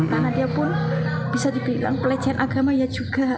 karena dia pun bisa dibilang pelecehan agama ya juga